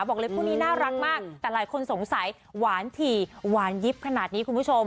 บอกเลยคู่นี้น่ารักมากแต่หลายคนสงสัยหวานถี่หวานยิบขนาดนี้คุณผู้ชม